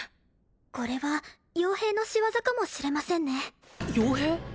これはよう兵の仕業かもしれませんねよう兵？